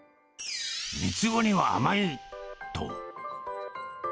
三つ子には甘い！と。